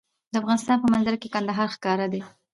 د افغانستان په منظره کې کندهار ښکاره دی.